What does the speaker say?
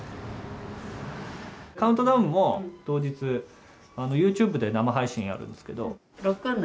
カウントダウンも当日、ユーチューブで生配信やるんですけど。